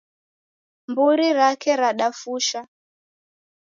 Mburi rake radafusha.